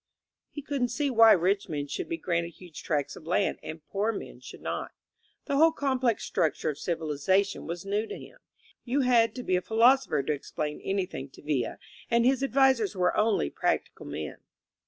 He couldn't see why rich men should be granted huge tracts of land and poor men should not. The whole complex struc ture of civilization was new to him. You had to be a philosopher to explain anything to Villa; and his ad visers were only practical men.